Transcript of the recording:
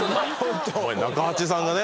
中鉢さんがね。